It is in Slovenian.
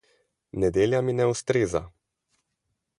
Nedelja mi ne ustreza.